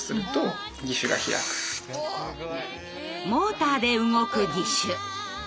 モーターで動く義手。